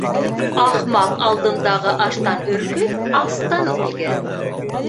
Ахмаҡ алдындағы аштан өркөп астан үлгән.